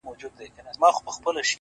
ما څوځلي د لاس په زور کي يار مات کړی دی.